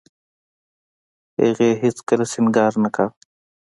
هغې هېڅ کله سينګار نه کاوه.